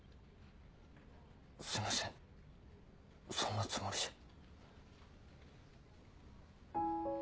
すいませんそんなつもりじゃ。